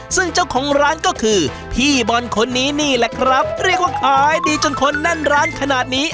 ซึ่งเจ้าของร้านก็คือพี่บอลคนนี้นี่แหละครับเรียกว่าขายดีจนคนแน่นร้านขนาดนี้